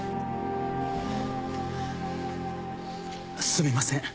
すみません